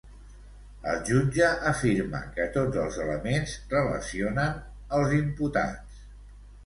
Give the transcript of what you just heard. El jutge afirma que tots els elements relacionen els imputats.